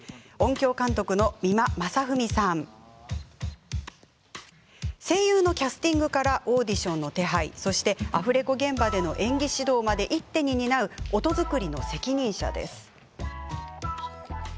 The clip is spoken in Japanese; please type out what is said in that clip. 声優さんのキャスティングからオーディションの手配そしてアフレコ現場での演技指導まで一手に担う音作りの責任者です。